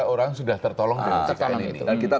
orang sudah tertolong dan kita